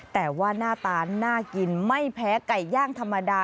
แต่ว่าหน้าตาน่ากินไม่แพ้ไก่ย่างธรรมดา